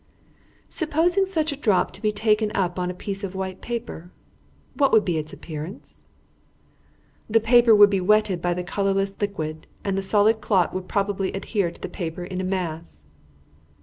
"Supposing such a drop to be taken up on a piece of white paper, what would be its appearance?" "The paper would be wetted by the colourless liquid, and the solid clot would probably adhere to the paper in a mass."